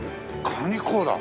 カニ・コーラ。